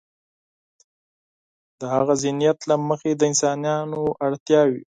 د هاغه ذهنیت له مخې د انسانانو اړتیاوې.